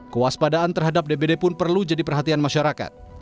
kewaspadaan terhadap dbd pun perlu jadi perhatian masyarakat